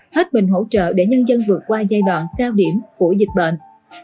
hết bình hỗ trợ để nhân dân vượt qua giai đoạn cao điểm của dịch bệnh